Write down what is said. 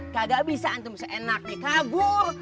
gak bisa antum seenaknya kabur